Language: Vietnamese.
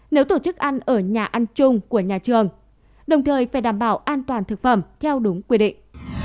nếu tổ chức ăn ở nhà ăn chung của nhà trường đồng thời phải đảm bảo an toàn thực phẩm theo đúng quy định